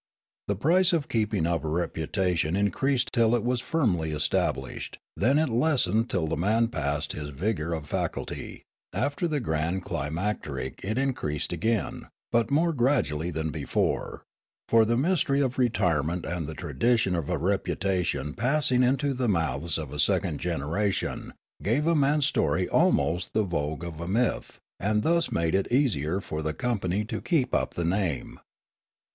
The price of keeping up a reput ation increased till it was firmly established ; then it lessened till the man pa.ssed his vigour of faculty ; after the grand climacteric it increased again, but more grad ually than before ; for the mystery of retirement and The Organisation of Repute 71 the tradition of a reputation passing into the mouths of a second generation gave a man's story ahnost the vogue of a myth, and thus made it easier for the com pany to keep up the name.